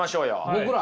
僕ら？